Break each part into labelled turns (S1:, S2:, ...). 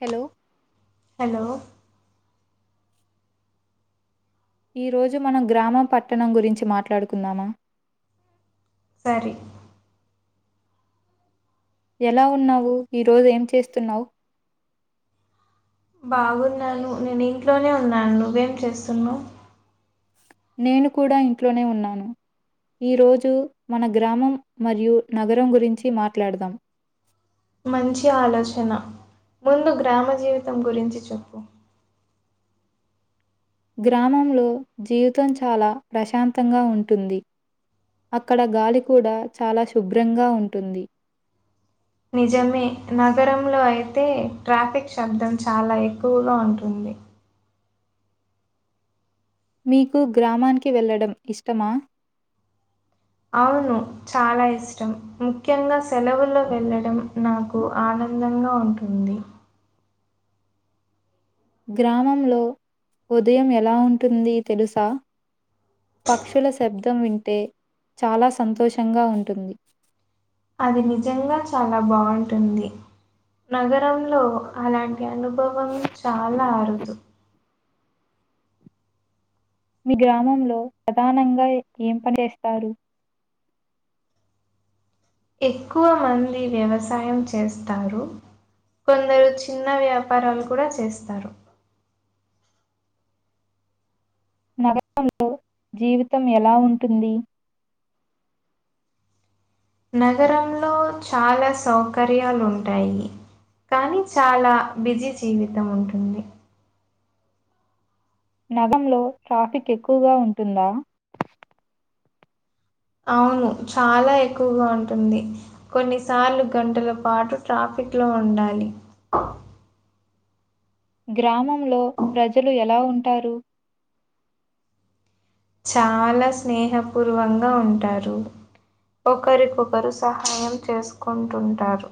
S1: Hello
S2: hello
S1: ఈ రోజు మనం గ్రామం పట్టణం గురించి మాట్లాడుకుందామా
S2: సరి
S1: ఎలా ఉన్నావు ఈ రోజు ఏం చేస్తున్నావు
S2: బాగున్నాను నేను ఇంట్లోనే ఉన్నాను నువ్వేం చేస్తున్నావు
S1: నేను కూడా ఇంట్లోనే ఉన్నాను ఈరోజు మన గ్రామం మరియు నగరం గురించి మాట్లాడదాం
S2: మంచి ఆలోచన ముందు గ్రామ జీవితం గురించి చెప్పు
S1: గ్రామంలో జీవితం చాలా ప్రశాంతంగా ఉంటుంది అక్కడ గాలి కూడా చాలా శుభ్రంగా ఉంటుంది
S2: నిజమే నగరంలో అయితే ట్రాఫిక్ శబ్దం చాలా ఎక్కువగా ఉంటుంది
S1: మీకు గ్రామానికి వెళ్ళడం ఇష్టమా
S2: అవును చాలా ఇష్టం ముఖ్యంగా సెలవుల్లో వెళ్ళడం నాకు ఆనందంగా ఉంటుంది
S1: గ్రామంలో ఉదయం ఎలా ఉంటుంది తెలుసా పక్షుల శబ్దం వింటే అంటే చాలా సంతోషంగా ఉంటుంది
S2: అది నిజంగా చాలా బాగుంటుంది నగరంలో అలాంటి అనుభవం చాలా అరుదు
S1: మీ గ్రామంలో ప్రధానంగా ఏం పనిస్తారు
S2: ఎక్కువ మంది వ్యవసాయం చేస్తారు కొందరు చిన్న వ్యాపారాలు కూడా చేస్తారు
S1: నగరంలో జీవితం ఎలా ఉంటుంది
S2: నగరంలో చాలా సౌకర్యాలు ఉంటాయి కానీ చాలా బిజీ జీవితం ఉంటుంది
S1: నగంలో ట్రాఫిక్ ఎక్కువగా ఉంటుందా
S2: అవును చాలా ఎక్కువగా ఉంటుంది కొన్నిసార్లు గంటల పాటు ట్రాఫిక్ లో ఉండాలి
S1: గ్రామంలో ప్రజలు ఎలా ఉంటారు
S2: చాలా స్నేహపూర్వంగా ఉంటారు ఒకరికొకరు సహాయం చేసుకుంటుంటారు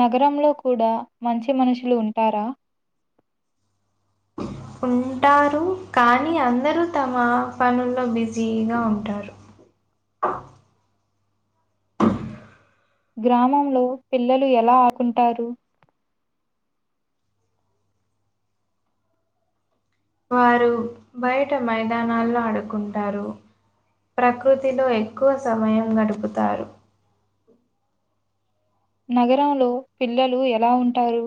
S1: నగరంలో కూడా మంచి మనుషులు ఉంటారా
S2: ఉంటారు కానీ అందరూ తమ పనుల్లో బిజీగా ఉంటారు
S1: గ్రామంలో పిల్లలు ఎలా ఆకుంటారు
S2: వారు బయట మైదానాల్లో ఆడుకుంటారు ప్రకృతిలో ఎక్కువ సమయం గడుపుతారు
S1: నగరంలో పిల్లలు ఎలా ఉంటారు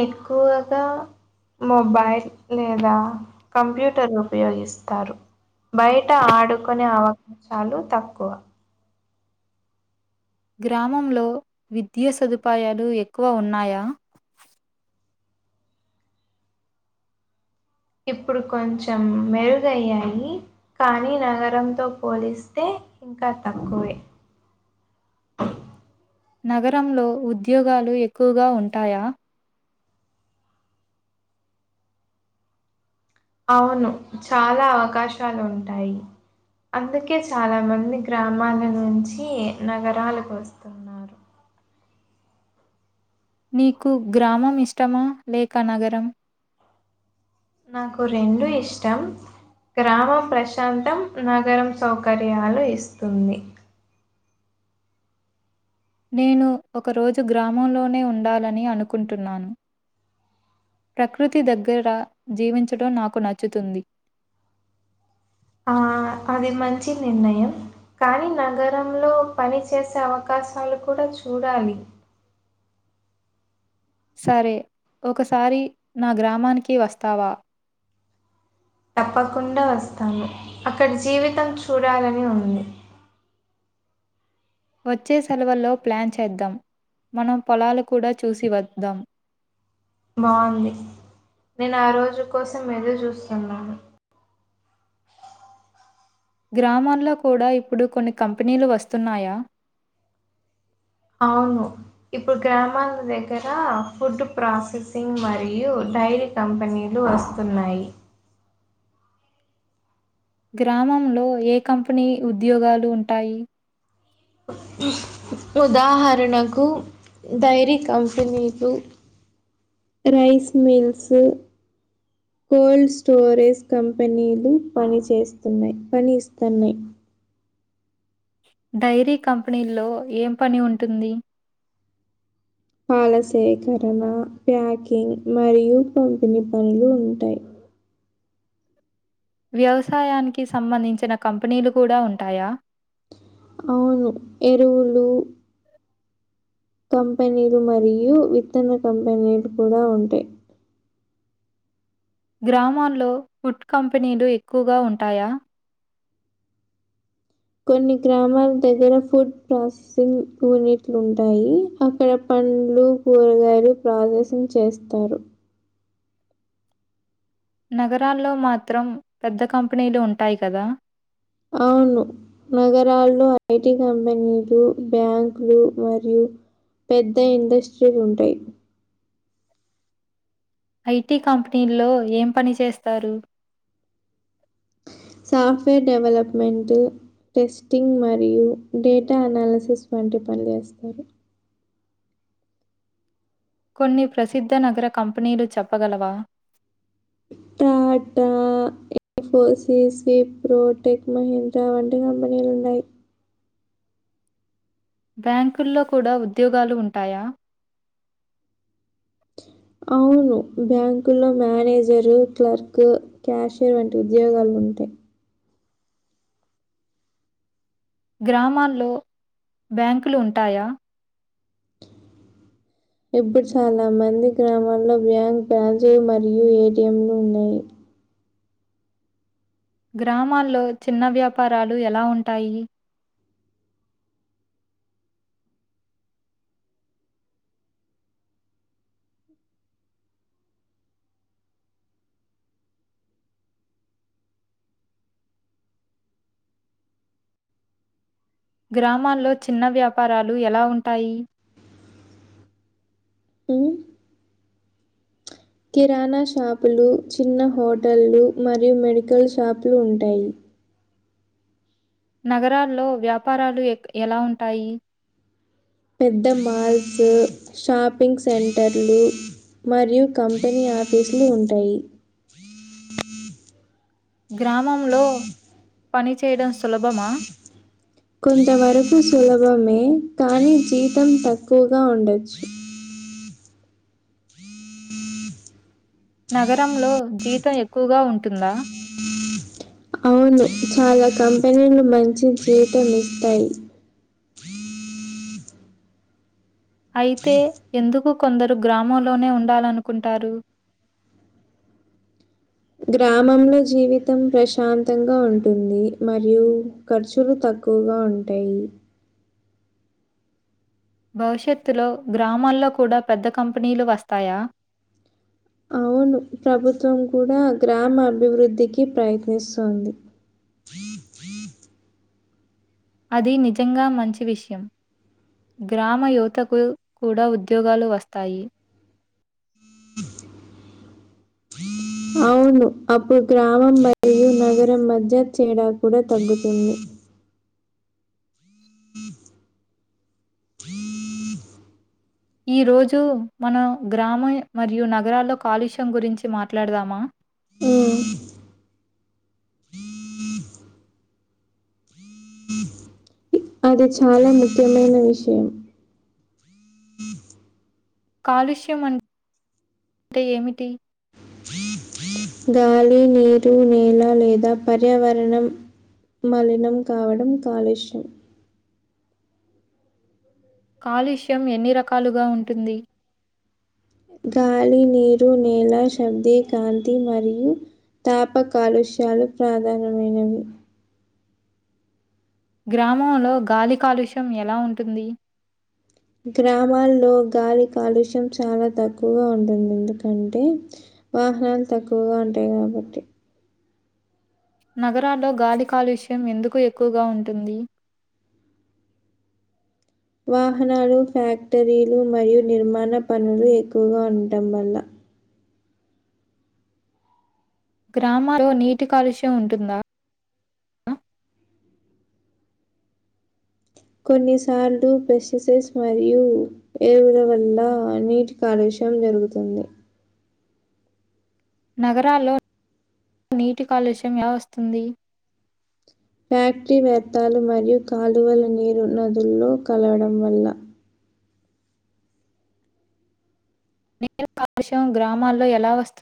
S2: ఎక్కువగా మొబైల్ లేదా కంప్యూటర్ ఉపయోగిస్తారు బయట ఆడుకునే అవకాశాలు తక్కువ
S1: గ్రామంలో విద్యా సదుపాయాలు ఎక్కువ ఉన్నాయా
S2: ఇప్పుడు కొంచెం మెరుగయ్యాయి కానీ నగరంతో పోలిస్తే ఇంకా తక్కువే
S1: నగరంలో ఉద్యోగాలు ఎక్కువగా ఉంటాయా
S2: అవును చాలా అవకాశాలు ఉంటాయి అందుకే చాలా మంది గ్రామాల నుంచి నగరాలకు వస్తున్నారు
S1: నీకు గ్రామం ఇష్టమా లేక నగరం
S2: నాకు రెండు ఇష్టం గ్రామం ప్రశాంతం నగరం సౌకర్యాలు ఇస్తుంది
S1: నేను ఒకరోజు గ్రామంలోనే ఉండాలని అనుకుంటున్నాను ప్రకృతి దగ్గర జీవించడం నాకు నచ్చుతుంది
S2: ఆ అది మంచి నిర్ణయం కానీ నగరంలో పని చేసే అవకాశాలు కూడా చూడాలి
S1: సరే ఒకసారి నా గ్రామానికి వస్తావా
S2: తప్పకుండా వస్తాము. అక్కడి జీవితం చూడాలని ఉంది.
S1: వచ్చే సెలవుల్లో ప్లాన్ చేద్దాం. మనం పొలాలు కూడా చూసి వద్దాం.
S2: బాగుంది నేను ఆ రోజు కోసం ఏదురు చూస్తున్నాను.
S1: గ్రామాల్లో కూడా ఇప్పుడు కొన్ని కంపెనీలు వస్తున్నాయా
S2: అవును ఇప్పుడు గ్రామాల దగ్గర ఫుడ్ ప్రాసెసింగ్ మరియు డైరీ కంపెనీలు వస్తున్నాయి.
S1: గ్రామంలో ఏ కంపెనీ ఉద్యోగాలు ఉంటాయి.
S2: ఉదాహరణకు డైరీ కంపెనీలు రైస్ మిల్స్, కోల్డ్ స్టోరేజ్ కంపెనీలు పని చేేస్తున్నాయి పని ఇస్తున్నాయి.
S1: డైరీ కంపెనీల్లో ఏం పని ఉంటుంది.
S2: పాల సేకరణ ప్యాకింగ్ మరియు పంపిణీ పనులు ఉంటయి.
S1: వ్యవసాయానికి సంబంధించిన కంపెనీలు కూడా ఉంటాయా
S2: అవును ఎరువులు కంపెనీలు మరియు విత్తన కంపెనీలు కూడా ఉంటయి.
S1: గ్రామాల్లో ఫుడ్ కంపెనీలు ఎక్కువగా ఉంటాయా
S2: కొన్ని గ్రామాల దగ్గర ఫుడ్ ప్రాసెసింగ్ యూనిట్లు ఉంటాయి. అక్కడ పండ్లు కూరగాయలు ప్రాసెసింగ్ చేస్తారు.
S1: నగరాల్లో మాత్రం పెద్ద కంపెనీలు ఉంటాయి. కదా
S2: అవును నగరాల్లో ఐటీ కంపెనీలు, బ్యాంకులు మరియు పెద్ద ఇండస్ట్రీలుంటాయి.
S1: ఐటీ కంపెనీల్లో ఏం పని చేస్తారు.
S2: సాఫ్ట్వేర్ డెవలప్మెంట్, టెస్టింగ్ మరియు డేటా అనాలిసిస్ వంటి పనులు చేస్తారు.
S1: కొన్ని ప్రసిద్ధ నగర కంపెనీలు చెప్పగలవా
S2: టాటా ఇన్ఫోసిస్, ఇప్రో ప్రోటెక్, మహీంద్రా వంటి కంపెనీలు ఉన్నయి.
S1: బ్యాంకుల్లో కూడా ఉద్యోగాలు ఉంటాయా
S2: అవును బ్యాంకుల్లో మేనేజరు, క్లర్క్, క్యాషియర్ వంటి ఉద్యోగాలు ఉంటయి.
S1: గ్రామాల్లో బ్యాంకులు ఉంటాయా
S2: ఇప్పుడు చాలా మంది గ్రామాల్లో బ్యాంక్ బ్రాంజెయ్ మరియు ఏటిఎంలు ఉన్నాయి.
S1: గ్రామాల్లో చిన్న వ్యాపారాలు ఎలా ఉంటాయి. గ్రామాల్లో చిన్న వ్యాపారాలు ఎలా ఉంటాయి.
S2: కిరాణా షాపులు, చిన్న హోటళ్లు మరియు మెడికల్ షాపులు ఉంటాయి.
S1: నగరాల్లో వ్యాపారాలు ఎలా ఉంటాయి.
S2: పెద్ద మాల్స్ షాపింగ్ సెంటర్లు మరియు కంపెనీ ఆఫీసులు ఉంటాయి.
S1: గ్రామంలో పని చెయడం సులభమా
S2: కొంతవరకు సులభమే కానీ జీతం తక్కువగా ఉండొచ్చు.
S1: నగరంలో జీతం ఎక్కువగా ఉంటుందా
S2: అవును చాలా కంపెనీలు మంచి జీతం ఇస్తయి.
S1: అయితే ఎందుకు కొందరు గ్రామంలోనే ఉండాలనుకుంటారు.
S2: గ్రామంలో జీవితం ప్రశాంతంగా ఉంటుంది. మరియు ఖర్చులు తక్కువగా ఉంటయి.
S1: భవిష్యత్తులో గ్రామాల్లో కూడా పెద్ద కంపెనీలు వస్తాయా
S2: అవును ప్రభుత్వం కూడా గ్రామ అభివృద్ధికి ప్రయత్నిస్తోంది.
S1: అది నిజంగా మంచి విషయం గ్రామ యువతకు కూడా ఉద్యోగాలు వస్తాయి.
S2: అవును అప్పుడు గ్రామం మరియు నగరం మధ్య తెడా కూడా తగ్గుతుంది. హ
S1: ఈ రోజు మనం గ్రామం మరియు నగరాల్లో కాలుష్యం గురించి మాట్లాడదామా
S2: ఉమ్, అది చాలా ముఖ్యమైన విషయం.
S1: కాలుష్యం అంటే ఏమిటి?
S2: గాలి, నీరు, నేల లేదా పర్యావరణ మలీనం కావడం కాలుష్యం.
S1: కాలుష్యం ఎన్ని రకాలుగా ఉంటుంది.
S2: గాలి, నీరు, నేల, శబ్ది, కాంతి మరియు తాప కాలుష్యాలు ప్రధానమైనవి.
S1: గ్రామంలో గాలి కాలుష్యం ఎలా ఉంటుంది.
S2: గ్రామాల్లో గాలి కాలుష్యం చాలా తక్కువగా ఉంటుంది. ఎందుకంటే వాహనాలు తక్కువగా ఉంటాయి కాబట్టి
S1: నగరాల్లో గాలి కాలుష్యం ఎందుకు ఎక్కువగా ఉంటుంది.
S2: వాహనాలు, ఫ్యాక్టరీలు మరియు నిర్మాణ పనులు ఎక్కువగా ఉంటం వల్ల
S1: గ్రామాలో నీటి కాలుష్యం ఉంటుందా ఆ
S2: కొన్నిసార్లు పెస్టిసైడ్స్ మరియు ఎరువుల వల్ల నీటి కాలుష్యం జరుగుతుంది
S1: నగరాల్లో. నీటి కాలుష్యం ఎలా వస్తుంది
S2: ఫ్యాక్టరీ వ్యర్థాలు మరియు కాలువల నీరు నదుల్లో కలవడం వల్ల
S1: నీరు కాలుషం గ్రామాల్లో ఎలా వస్తుంది